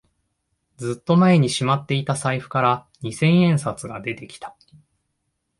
ずっと前にしまっていた財布から二千円札が出てきた